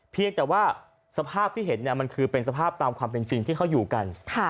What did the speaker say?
เพียงแต่ว่าสภาพที่เห็นมันคือเป็นสภาพตามความเป็นจริงที่เขาอยู่กัน